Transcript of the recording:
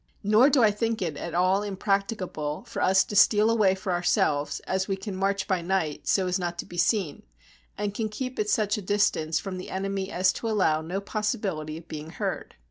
Nor do I think it at all impracticable for us to steal away for ourselves, as we can march by night, so as not to be seen, and can keep at such a distance from the enemy as to allow no possibility of being heard.